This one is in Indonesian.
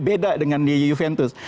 beda dengan di juventus